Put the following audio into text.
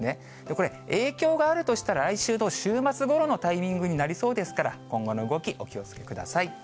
これ、影響があるとしたら、来週の週末ごろのタイミングになりそうですから、今後の動き、お気をつけください。